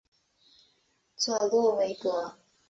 佐洛韦格。